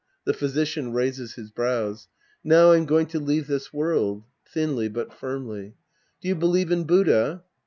The Physician raises his brews. ^ Now I'm going to leave this world. {Thinly but firmly.) Do you believe in Buddha?